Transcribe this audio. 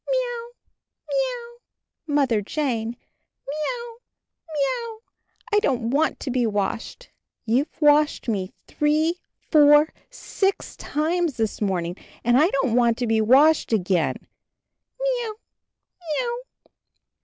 "Miaou, miaou. Mother Jane, miaou, miaou, I don't want to be washed. You've washed me three, four^ six times this morn ing, and I don't want to be washed again. Miaou, miaou!"